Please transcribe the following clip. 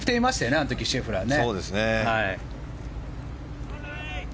あの時、シェフラーね。